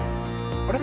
あれ？